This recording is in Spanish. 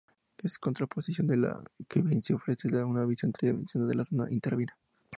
En contraposición, el da Vinci ofrece una visión tridimensional de la zona intervenida.